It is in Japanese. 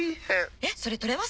えっそれ取れますよ！